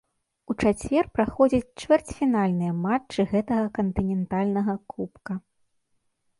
У чацвер праходзяць чвэрцьфінальныя матчы гэтага кантынентальнага кубка.